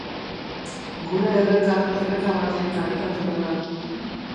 Gure erreka erreka baten karikatura da.